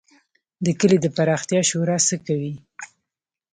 د کلي د پراختیا شورا څه کوي؟